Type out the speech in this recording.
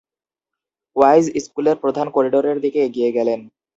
Wise স্কুলের প্রধান করিডোরের দিকে এগিয়ে গেলেন।